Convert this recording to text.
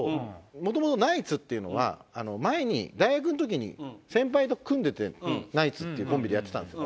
もともとナイツっていうのは前に大学の時に先輩と組んでてナイツっていうコンビでやってたんですよ。